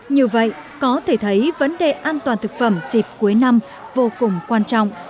như vậy có thể thấy vấn đề an toàn thực phẩm dịp cuối năm vô cùng quan trọng